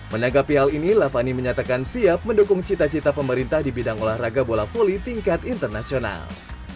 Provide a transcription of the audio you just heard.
menanggapi hal ini lavani menyatakan siap mendukung cita cita pemerintah di bidang olahraga bola volley tingkat internasional